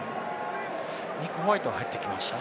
ニック・ホワイトが入ってきましたね。